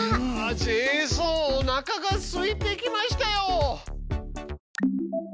ジェイソンおなかがすいてきましたよ！